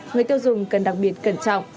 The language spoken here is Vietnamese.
người tiêu dùng cần đặc biệt cẩn trọng